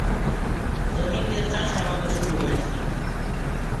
জমিতে চাষাবাদও শুরু হয়েছে।